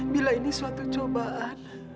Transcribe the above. bila ini suatu cobaan